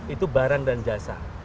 itu barang dan jasa